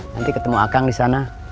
nanti ketemu akang di sana